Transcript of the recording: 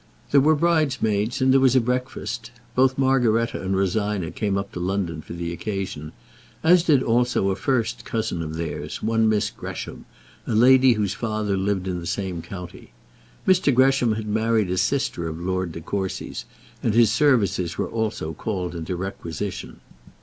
There were bridesmaids and there was a breakfast. Both Margaretta and Rosina came up to London for the occasion, as did also a first cousin of theirs, one Miss Gresham, a lady whose father lived in the same county. Mr. Gresham had married a sister of Lord De Courcy's, and his services were also called into requisition.